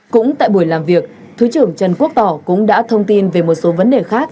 cũng tại buổi làm việc thứ trưởng trần quốc tỏ cũng đã thông tin về một số vấn đề khác